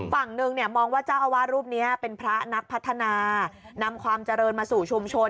ฝั่งหนึ่งเนี่ยมองว่าเจ้าอาวาสรูปนี้เป็นพระนักพัฒนานำความเจริญมาสู่ชุมชน